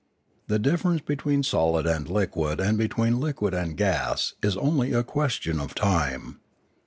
The difference between solid and liquid and between liquid and.gas is only a question of time.